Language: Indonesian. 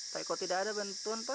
tapi kok tidak ada bentuan pak